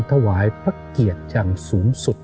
ถวายพระเกียรติอย่างสูงสุด